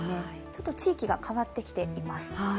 ちょっと地域が変わってきています。